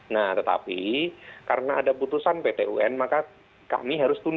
nah tetapi karena ada putusan pt un maka kami harus tunduk